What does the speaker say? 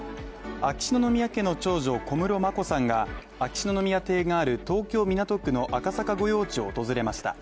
秋篠宮家の長女・小室眞子さんが秋篠宮邸がある東京・港区の赤坂御用地を訪れました。